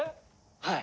はい。